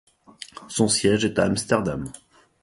Son siège est à Amsterdam.